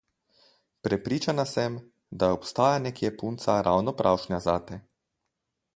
Prepričana sem, da obstaja nekje punca ravno pravšnja zate.